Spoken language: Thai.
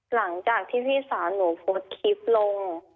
หลังจากที่พี่สาวหนูโพสต์คลิปลง